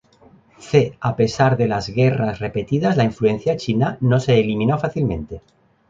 C.. A pesar de las guerras repetidas, la influencia china no se eliminó fácilmente.